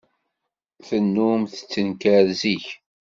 Tennum tettenkar zik.